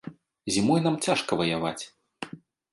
Зімой нам цяжка ваяваць.